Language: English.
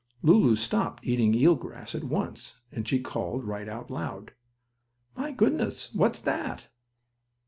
Lulu stopped eating eel grass at once, and she called right out loud: "My goodness! What's that?"